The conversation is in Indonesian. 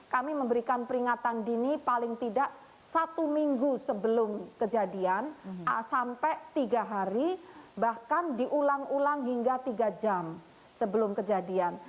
kami memberikan peringatan dini paling tidak satu minggu sebelum kejadian sampai tiga hari bahkan diulang ulang hingga tiga jam sebelum kejadian